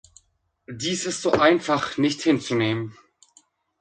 Dies ist so einfach nicht hinzunehmen.